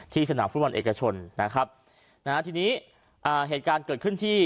สนามฟุตบอลเอกชนนะครับนะฮะทีนี้อ่าเหตุการณ์เกิดขึ้นที่